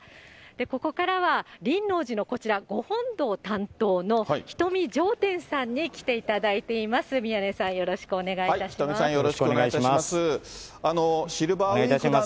ここからは輪王寺のこちら、ご本堂担当の人見じょうてんさんに来ていただいています、宮根さ人見さん、よろしくお願いいたします。